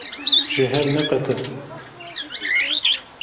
Ji hev neqetin!